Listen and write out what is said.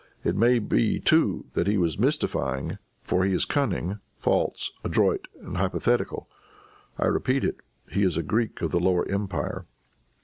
It may be too that he was mystifying, for he is cunning, false, adroit and hypocritical. I repeat it, he is a Greek of the Lower Empire.